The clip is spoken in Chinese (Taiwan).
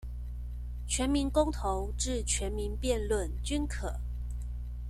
全民公投至全民辯論均可